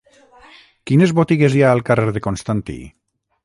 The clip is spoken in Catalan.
Quines botigues hi ha al carrer de Constantí?